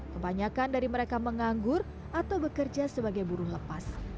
kebanyakan dari mereka menganggur atau bekerja sebagai buruh lepas